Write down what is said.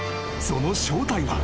その正体は］